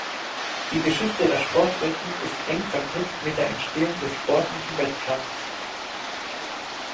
Die Geschichte der Sportwetten ist eng verknüpft mit der Entstehung des sportlichen Wettkampfs.